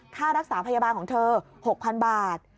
ค่ารักษาพยาบาลของเธอ๖๐๐๐บาท